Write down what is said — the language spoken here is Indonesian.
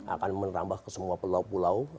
akan menambah ke semua pulau pulau